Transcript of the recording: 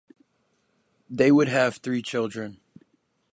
They would have three children.